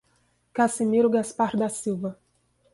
Cassimiro Gaspar da Silva